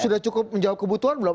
sudah cukup menjawab kebutuhan belum